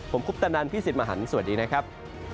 ผมคุปตะนันพี่สิทธิ์มหันฯสวัสดีนะครับ